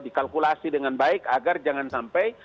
dikalkulasi dengan baik agar jangan sampai